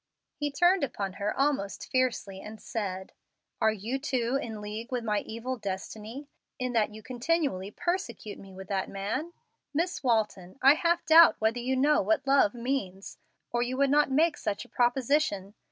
He turned upon her almost fiercely, and said, "Are you too in league with my evil destiny, in that you continually persecute me with that man? Miss Walton, I half doubt whether you know what love means, or you would not make such a proposition.